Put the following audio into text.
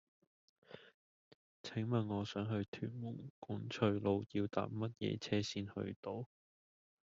請問我想去屯門管翠路要搭乜嘢車先去到